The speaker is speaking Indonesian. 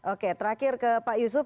oke terakhir ke pak yusuf